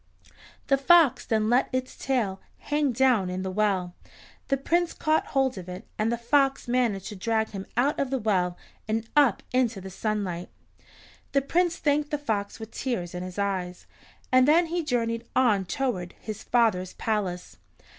The fox then let its tail hang down in the well, the Prince caught hold of it, and the fox managed to drag him out of the well and up into the sunlight. The Prince thanked the fox with tears in his eyes, and then he journeyed on toward his father's palace.